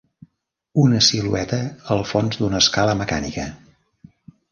Una silueta al fons d'una escala mecànica.